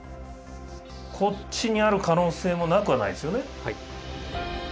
こっちにある可能性もなくはないですよね。